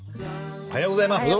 おはようございます。